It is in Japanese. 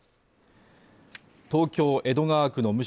東京江戸川区の無職